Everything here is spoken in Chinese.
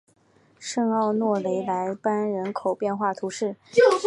圣奥诺雷莱班人口变化图示